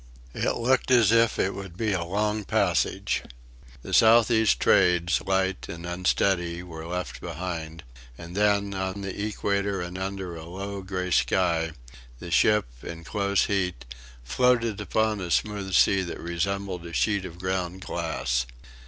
It looked as if it would be a long passage. The south east trades, light and unsteady, were left behind; and then, on the equator and under a low grey sky, the ship, in close heat, floated upon a smooth sea that resembled a sheet of ground glass.